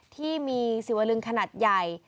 ที่มีสิวลึงขนาดใหญ่